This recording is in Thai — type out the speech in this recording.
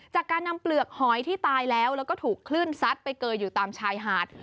จากการนำเปลือกหอยที่ตายแล้วแล้วก็ถูกคลื่นซัดไปเกยอยู่ตามชายหาด